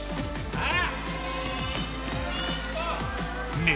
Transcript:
ああ！